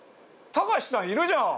たかしさんいるじゃん！